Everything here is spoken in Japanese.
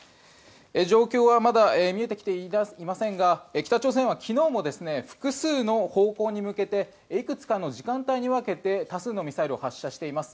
状況はまだ見えてきていませんが北朝鮮は昨日も複数の方向に向けていくつかの時間帯に分けて多数のミサイルを発射しています。